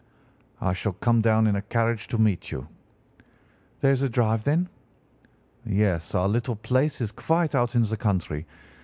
"'I shall come down in a carriage to meet you.' "'There is a drive, then?' "'Yes, our little place is quite out in the country.